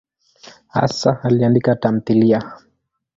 Hasa aliandika tamthiliya.